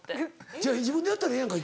違う自分でやったらええやんか